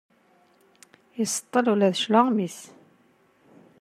Iseṭṭel ula d cclaɣem-is.